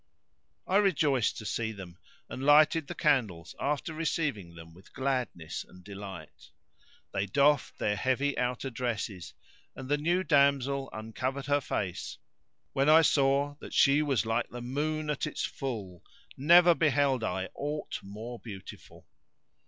I rejoiced to see them, and lighted the candles after receiving them with gladness and delight. They doffed their heavy outer dresses and the new damsel uncovered her face when I saw that she was like the moon at its full never beheld I aught more beautiful.